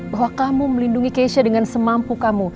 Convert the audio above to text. bahwa kamu melindungi keisha dengan semampu kamu